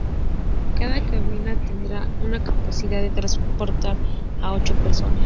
Cada cabina tendrá una capacidad de transportar a ocho personas.